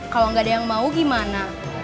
kalau nggak ada yang mau gimana